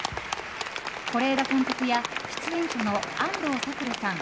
是枝監督や出演者の安藤サクラさん